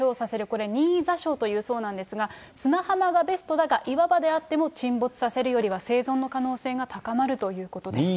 これ、任意座礁というようなんですが、砂浜がベストだが、岩場であっても、沈没させるよりは生存の可能性が高まるということです。